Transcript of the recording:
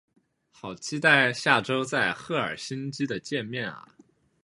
好期待下周在赫尔辛基的见面啊